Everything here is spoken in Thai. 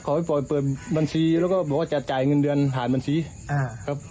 ไปปล่อยเปิดบัญชีแล้วก็บอกว่าจะจ่ายเงินเดือนผ่านบัญชีครับ